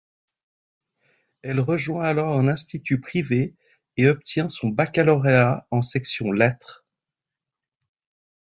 Elle rejoint alors un institut privé et obtient son baccalauréat en section lettres.